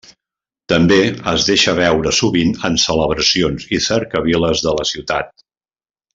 També es deixa veure sovint en celebracions i cercaviles de la ciutat.